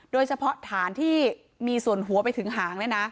โดยเฉพาะฐานที่มีส่วนหัวไปถึงหาง